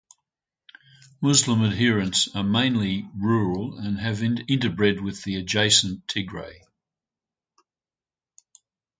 Muslim adherents are mainly rural and have interbred with the adjacent Tigre.